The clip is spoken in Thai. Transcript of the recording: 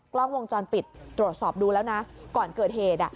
กล้องวงจรปิดตรวจสอบดูแล้วนะก่อนเกิดเหตุ